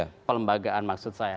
substansi pelembagaan maksud saya